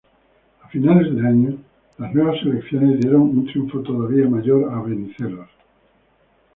A finales de año, las nuevas elecciones dieron un triunfo todavía mayor a Venizelos.